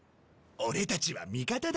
オレたちは味方だ。